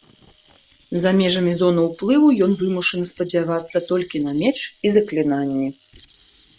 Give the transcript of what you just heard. За межамі зоны ўплыву ён вымушаны спадзявацца толькі на меч і заклінанні.